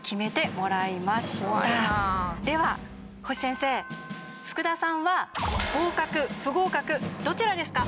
では星先生福田さんは合格不合格どちらですか？